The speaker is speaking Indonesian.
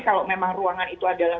kalau memang ruangan itu adalah